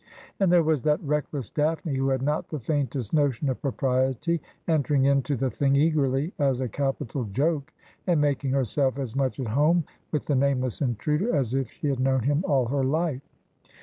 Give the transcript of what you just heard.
And there was that reckless Daphne, who had not the faintest notion of propriety, entering into the thing eagerly as a capital joke, and making herself as much at home with the nameless intruder as if she had known him all her life.